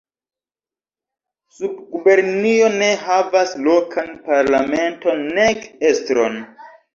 Subgubernio ne havas lokan parlamenton nek estron.